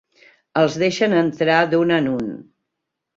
Els deixen entrar d'un en un.